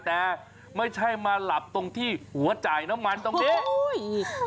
แต่ไม่ใช่มาหลับตรงที่หัวจ่ายน้ำมันตรงนี้อุ้ย